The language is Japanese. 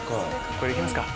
これで行きますか。